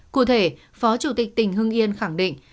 cụ thể phó chủ tịch tỉnh hưng yên khẳng định